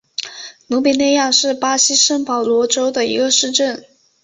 鲁比内亚是巴西圣保罗州的一个市镇。